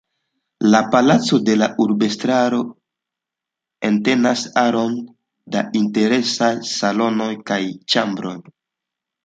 La palaco de la urbestraro entenas aron da interesaj salonoj kaj ĉambroj.